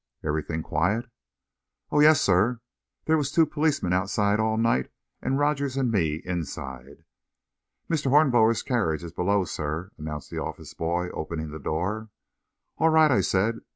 "Everything quiet?" "Oh, yes, sir; there was two policemen outside all night, and Rogers and me inside." "Mr. Hornblower's carriage is below, sir," announced the office boy, opening the door. "All right," I said.